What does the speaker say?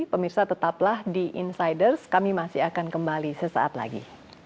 pemirsa tetaplah di insiders kami masih akan kembali sesaat lagi